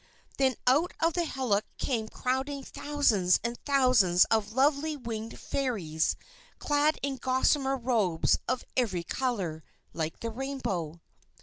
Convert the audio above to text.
Then out of the hillock came crowding thousands and thousands of lovely winged Fairies clad in gossamer robes of every colour, like the rainbow.